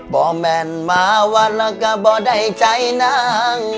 ่แม่นมาวันแล้วก็บ่ได้ใจนาง